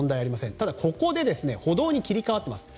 ただ、ここで歩道に切り替わっています。